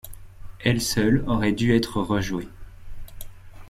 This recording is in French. Elle seule aurait dû être rejouée.